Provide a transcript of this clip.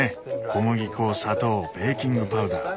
小麦粉砂糖ベーキングパウダー。